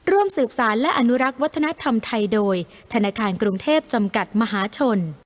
ลวดลายโดยธนาคารกรุงเทพฯจำกัดมหาชน